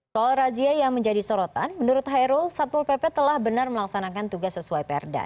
soal razia yang menjadi sorotan menurut hairul satpol pp telah benar melaksanakan tugas sesuai perda